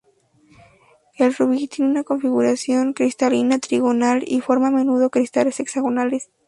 El rubí tiene una configuración cristalina trigonal, y forma a menudo cristales hexagonales.